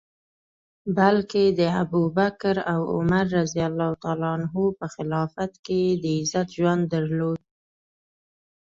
بلکه د ابوبکر او عمر رض په خلافت کي یې د عزت ژوند درلود.